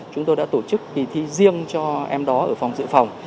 chúng tôi đã tổ chức kỳ thi riêng cho em đó ở phòng dự phòng